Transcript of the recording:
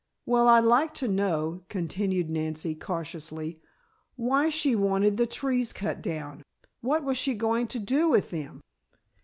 "Well, I'd like to know," continued Nancy cautiously, "why she wanted the trees cut down? What was she going to do with them?"